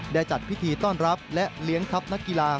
จัดพิธีต้อนรับและเลี้ยงทัพนักกีฬา